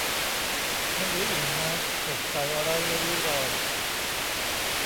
ยังดูอิ่มน้ำ สดใสไร้ริ้วรอย